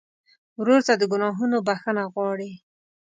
ورور ته د ګناهونو بخښنه غواړې.